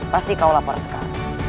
pasti kau lapar sekali